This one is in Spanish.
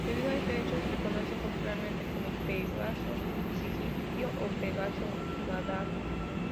Debido a este hecho, se le conoce popularmente como Pegaso Egipcio o Pegaso Gadafi.